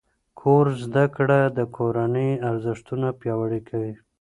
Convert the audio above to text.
کور زده کړه د کورنۍ ارزښتونه پیاوړي کوي.